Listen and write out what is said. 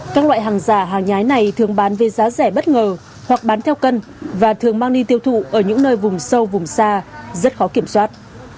các loại hàng giả hàng nhái này thường bán với giá rẻ bất ngờ hoặc bán theo cân và thường mang đi tiêu thụ ở những nơi vùng sâu vùng xa rất khó kiểm soát